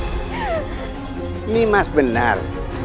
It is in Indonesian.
ini mas benar